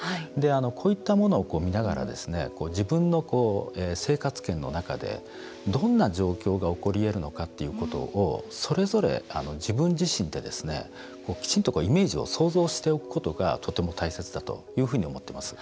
こういったものを見ながら自分の生活圏の中でどんな状況が起こりうるのかというのを、それぞれ自分自身できちんとイメージを想像をしておくことがとても大切だと思っています。